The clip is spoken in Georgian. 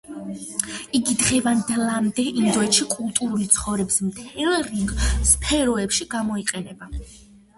იგი დღევანდლამდე ინდოეთში კულტურული ცხოვრების მთელ რიგ სფეროებში გამოიყენება.